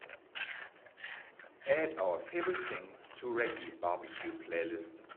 add Our Favorite Things to Reggae BBQ playlist